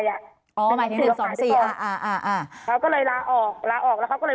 หมายถึงสองตัวอ่าเขาก็เลยลาออกลาออกแล้วเขาก็เลย